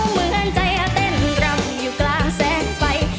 เหมือนใจเต้นรำอยู่กลางแสงไฟ